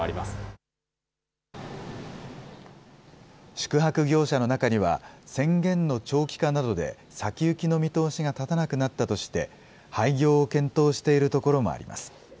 宿泊業者の中には、宣言の長期化などで、先行きの見通しが立たなくなったとして、廃業を検討しているところもあります。